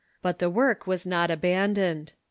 But the Avork was not abandoned.